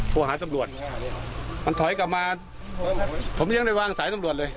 โทรหาตำรวจมันถอยกลับมาผมยังได้วางสายตำรวจเลย